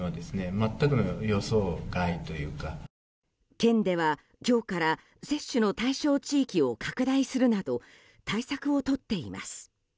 県では、今日から接種の対象地域を拡大するなど対策をとっています。